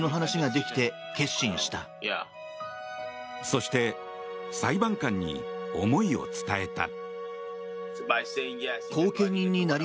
そして裁判官に思いを伝えた。